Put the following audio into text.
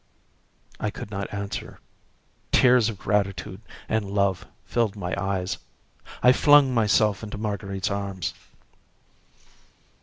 I could not answer. Tears of gratitude and love filled my eyes, and I flung myself into Marguerite's arms.